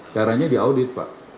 caranya diaudit pak